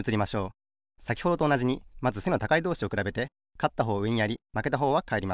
さきほどとおなじにまず背の高いどうしをくらべてかったほうをうえにやりまけたほうはかえります。